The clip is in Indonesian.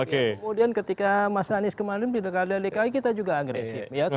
kemudian ketika mas anies kemarin di dki kita juga agresif